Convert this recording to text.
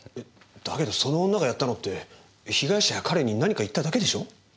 だけどその女がやったのって被害者や彼に何か言っただけでしょ？